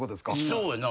そうやな。